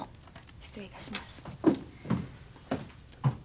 失礼いたします。